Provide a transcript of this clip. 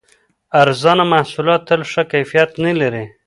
ارزانه محصولات تل ښه کیفیت نه لري.